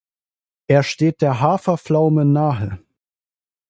Er steht der Hafer-Pflaume nahe.